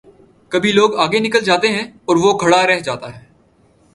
کبھی لوگ آگے نکل جاتے ہیں اور وہ کھڑا رہ جا تا ہے۔